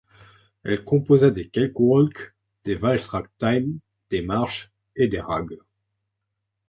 Il composa des cakewalks, des valses ragtime, des marches et des rags.